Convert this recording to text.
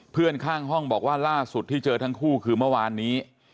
เพื่อนข้างห้องบอกว่าล่าสุดที่เจอทั้งคู่คือเมื่อวานนี้